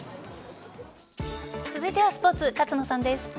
続いてはスポーツ勝野さんです。